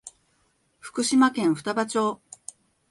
福島県双葉町